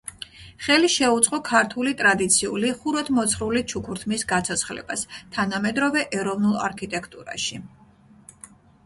ხელი შეუწყო ქართული ტრადიციული ხუროთმოძღვრული ჩუქურთმის გაცოცხლებას თანამედროვე ეროვნულ არქიტექტურაში.